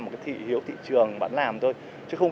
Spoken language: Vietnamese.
một thị hiểu thị trường bạn làm thôi chứ không